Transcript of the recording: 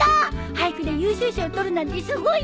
俳句で優秀賞を取るなんてすごいね！